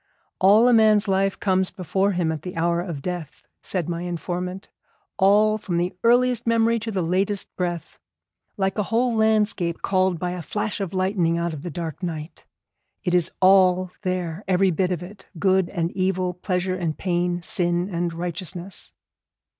'All a man's life comes before him at the hour of death,' said my informant; 'all, from the earliest memory to the latest breath. Like a whole landscape called by a flash of lightning out of the dark night. It is all there, every bit of it, good and evil, pleasure and pain, sin and righteousness.'